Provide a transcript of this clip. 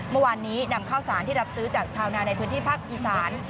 เมื่อวานนี้นำข้าวสารที่รับซื้อจากชาวนาในพื้นที่ภาคอีสาน